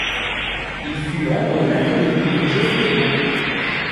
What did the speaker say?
Il fut membre de l'Académie des Jeux floraux.